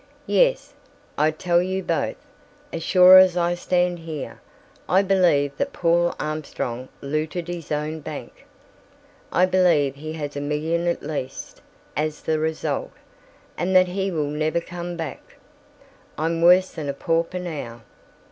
"Yes. I tell you both, as sure as I stand here, I believe that Paul Armstrong looted his own bank. I believe he has a million at least, as the result, and that he will never come back. I'm worse than a pauper now.